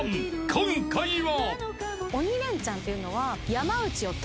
今回は。